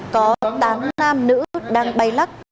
có tám nam nữ đang bay lắc